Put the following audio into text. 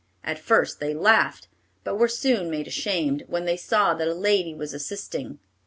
At first they laughed, but were soon made ashamed, when they saw that a lady was assisting.